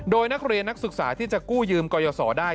โดยนักเรียนนักศึกษาที่จะกู้ยืมกรยศรได้